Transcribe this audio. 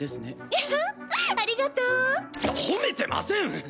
きゃっありがとう！褒めてません！